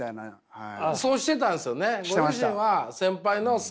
はい。